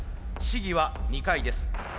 試技は２回です。